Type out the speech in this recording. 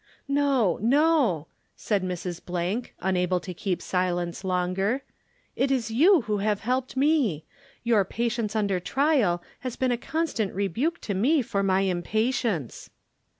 "No, no," said Mrs. —— unable to keep silence longer. "It is you who have helped me. Your patience under trial has been a constant rebuke to me for my impatience."